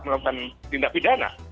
melakukan tindak pidana